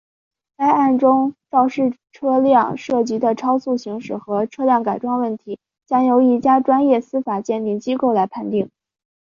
该案中肇事车辆涉及的超速行驶和车辆改装问题将由一家专业司法鉴定机构来判定。